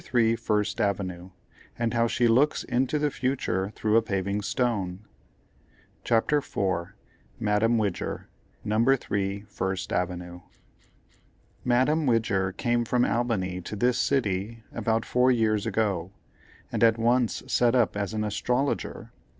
3, First Avenue, and how she looks into the future through a Paving Stone. CHAPTER IV. MADAME WIDGER, No. 3 FIRST AVENUE. Madame Widger came from Albany to this city about four years ago, and at once set up as an "Astrologer."